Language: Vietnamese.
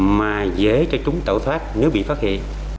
mà dễ cho chúng tẩu thoát nếu bị phát hiện